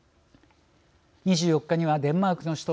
２４日にはデンマークの首都